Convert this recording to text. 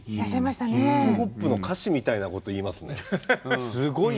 ヒップホップの歌詞みたいなこと言いますね。